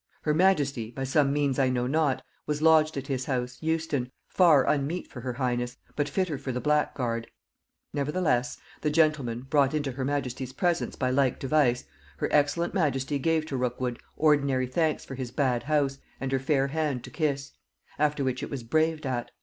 Her majesty, by some means I know not, was lodged at his house, Euston, far unmeet for her highness, but fitter for the black guard; nevertheless, (the gentleman brought into her majesty's presence by like device) her excellent majesty gave to Rookwood ordinary thanks for his bad house, and her fair hand to kiss; after which it was braved at.